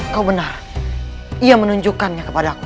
kau benar ia menunjukkannya kepada aku